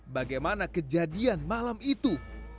bagaimana kejadian malam itu